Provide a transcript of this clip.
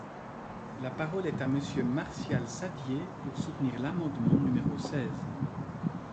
La parole est à Monsieur Martial Saddier, pour soutenir l’amendement numéro seize.